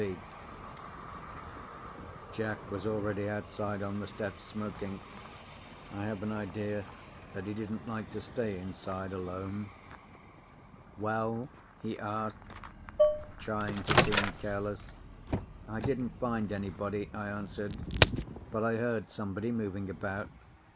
_ Jack was already outside on the steps, smoking. I have an idea that he didn't like to stay inside alone. "Well?" he asked, trying to seem careless. "I didn't find anybody," I answered, "but I heard somebody moving about."